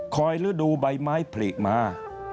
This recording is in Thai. คอยหรือดูใบไม้ผลิกมา